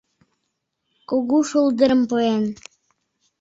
Кугу шулдырым пуэн, —